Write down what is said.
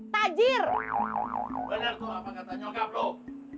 bener kok apa kata nyokap lu